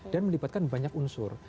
dan melibatkan banyak unsur